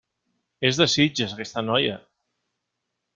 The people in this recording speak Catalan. És de Sitges, aquesta noia.